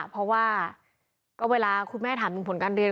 เพราะว่าก็เวลาคุณแม่ถามถึงผลการเรียน